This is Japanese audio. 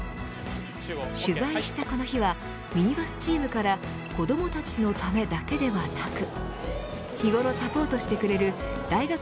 取材したこの日はミニバスチームから子どもたちのためだけではなく日頃サポートしてくれる大学